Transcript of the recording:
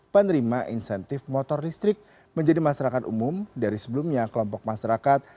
penerima insentif motor listrik menjadi masyarakat umum dari sebelumnya kelompok masyarakat